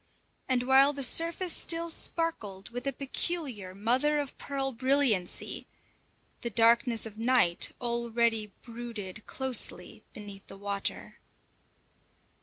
And while the surface still sparkled with a peculiar mother of pearl brilliancy, the darkness of night already brooded closely beneath the water.